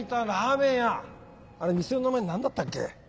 あれ店の名前何だったっけ？